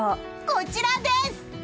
こちらです！